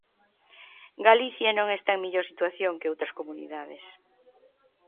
Galicia non está en mellor situación que outras comunidades.